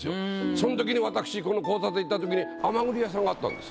その時に私この交差点行った時に甘栗屋さんがあったんです。